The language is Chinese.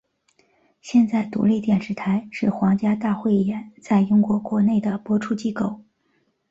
现在独立电视台是皇家大汇演在英国国内的播出机构。